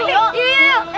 yuk yuk yuk